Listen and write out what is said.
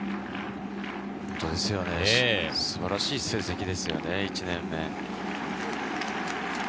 素晴らしい成績ですよね、１年目なのに。